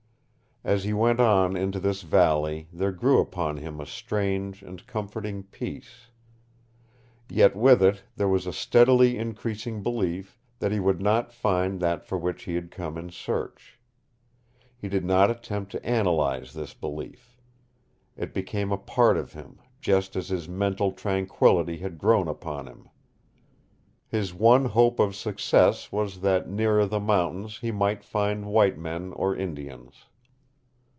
As he went on into this valley there grew upon him a strange and comforting peace. Yet with it there was a steadily increasing belief that he would not find that for which he had come in search. He did not attempt to analyze this belief. It became a part of him, just as his mental tranquillity had grown upon him. His one hope of success was that nearer the mountains he might find white men or Indians.